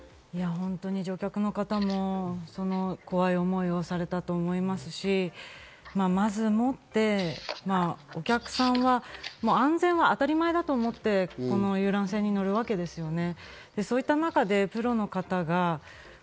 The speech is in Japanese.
本当に乗客の方も怖い思いをされたと思いますし、まずもって、お客さんは遊覧船の安全は当たり前だと思って、この遊覧船に乗るわけですよね。